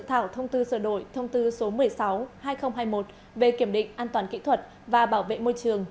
thảo thông tư sửa đổi thông tư số một mươi sáu hai nghìn hai mươi một về kiểm định an toàn kỹ thuật và bảo vệ môi trường